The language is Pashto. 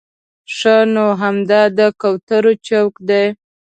ښه نو همدا د کوترو چوک دی.